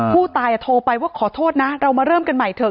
ผู้ตายโทรไปว่าขอโทษนะเรามาเริ่มกันใหม่เถอ